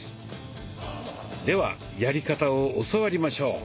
ではやり方を教わりましょう。